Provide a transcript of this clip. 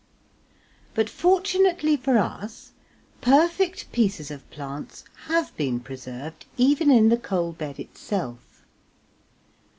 But fortunately for us, perfect pieces of plants have been preserved even in the coal bed itself.